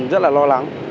rất là lo lắng